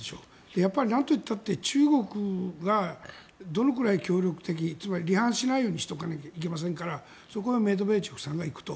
やっぱり何と言ったって中国がどのくらい協力的か離反しないようにしておかないといけませんからそこはメドベージェフさんが行くと。